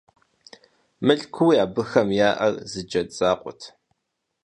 Мылъкууи абыхэм яӀэр зы джэд закъуэт.